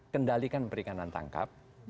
kendalikan perikanan tangkap